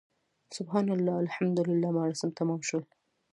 سبحان الله، الحمدلله مراسم تمام شول.